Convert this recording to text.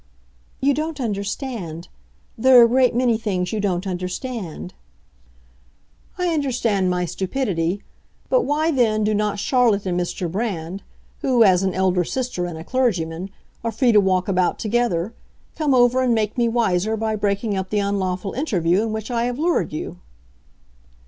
"You don't understand. There are a great many things you don't understand." "I understand my stupidity. But why, then, do not Charlotte and Mr. Brand, who, as an elder sister and a clergyman, are free to walk about together, come over and make me wiser by breaking up the unlawful interview into which I have lured you?"